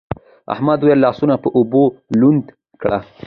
احمد وويل: لاسونه په اوبو لوند کړه.